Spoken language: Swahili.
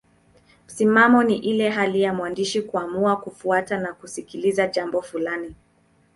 Msimamo ni ile hali ya mwandishi kuamua kufuata na kushikilia jambo fulani.